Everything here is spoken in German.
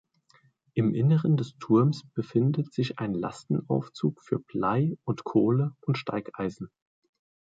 Im Inneren des Turms befindet sich ein Lastenaufzug für Blei und Kohle und Steigeisen.